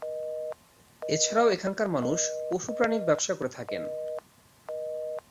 এছাড়াও এখানকার মানুষ পশু-প্রাণীর ব্যবসা করে থাকেন।